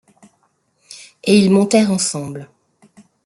Et ils montèrent ensemble.